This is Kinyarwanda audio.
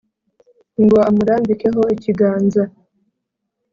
ngo amurambikeho ikiganza